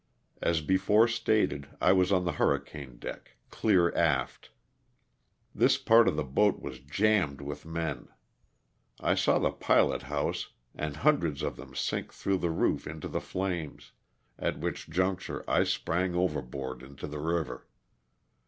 As before stated, I was on the hur ricane deck, clear aft. This part of the boat was jammed with men. I saw the pilot house and hun dreds of them sink through the roof into the flames, at which juncture I sprang overboard into the river.